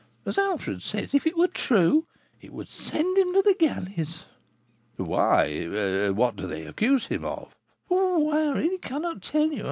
As Alfred says, if it were true, it would send him to the galleys." "Why, what do they accuse him of?" "Oh, I really cannot tell you!